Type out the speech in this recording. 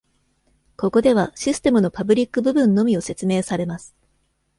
ここでは、システムのパブリック部分のみを説明されます。